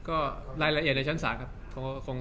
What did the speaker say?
ก็รายละเอียดในชั้นศาลครับ